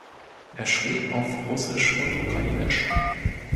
Er schrieb auf Russisch und Ukrainisch.